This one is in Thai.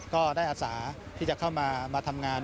ก็ได้อาสาที่จะเข้ามาทำงาน